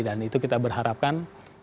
dan itu kita berharapkan